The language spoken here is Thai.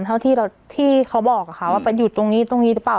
เท่าที่เขาบอกค่ะว่ามันอยู่ตรงนี้ตรงนี้หรือเปล่า